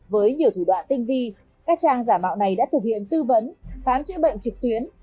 với nhiều thủ đoạn tinh vi các trang giả mạo này đã thực hiện tư vấn khám chữa bệnh trực tuyến